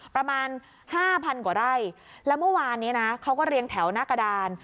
ประมาณห้าพันกว่าไร่แล้วเมื่อวานนี้นะเขาก็เรียงแถวหน้ากระดาน